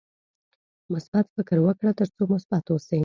مثبت فکر وکړه ترڅو مثبت اوسې.